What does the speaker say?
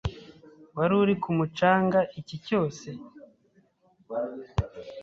Wari uri ku mucanga icyi cyose? )